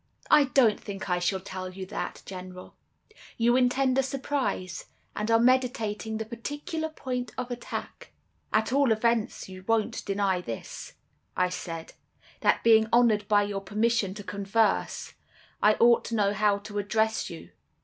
"'I don't think I shall tell you that, General; you intend a surprise, and are meditating the particular point of attack.' "'At all events, you won't deny this,' I said, 'that being honored by your permission to converse, I ought to know how to address you.